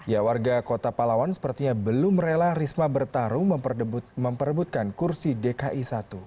ya warga kota palawan sepertinya belum rela risma bertarung memperebutkan kursi dki satu